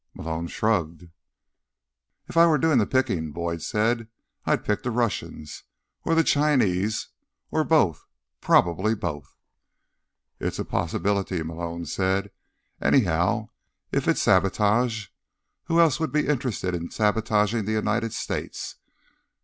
Malone shrugged. "If I were doing the picking," Boyd said, "I'd pick the Russians. Or the Chinese. Or both. Probably both." "It's a possibility," Malone said. "Anyhow, if it's sabotage, who else would be interested in sabotaging the United States?